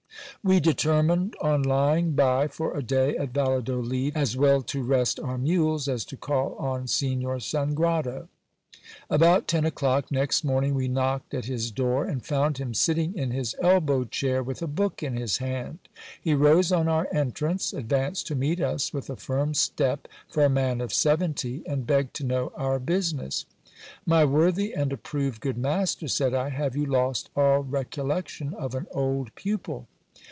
We determined on lying by for a day at Valladolid, as well to rest our mules, as to call on Signor Sangrado. About ten o'clock next morning we knocked at his door ; and found him sitting in his elbow chair, with a book in his hand. He rose on our entrance ; advanced to meet us with a firm step for a man of seventy, and begged to know our business. My worthy and approved good master, said I, have you lost all recollection of an old pupil